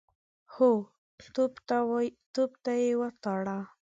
هو، توپ ته يې وتاړه.